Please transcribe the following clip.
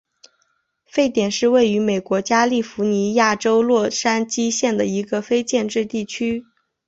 沸点是位于美国加利福尼亚州洛杉矶县的一个非建制地区。